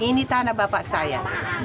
ini tanah bapak saya